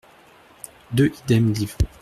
deux Idem, liv.